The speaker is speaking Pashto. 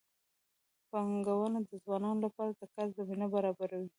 بانکونه د ځوانانو لپاره د کار زمینه برابروي.